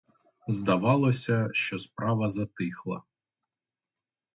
Здавалося, що справа затихла.